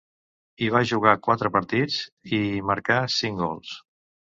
Hi va jugar quatre partits, i hi marcà cinc gols.